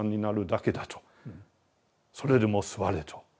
それでも座れと。